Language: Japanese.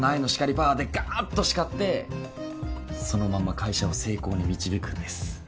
パワーでガーッと叱ってそのまま会社を成功に導くんです。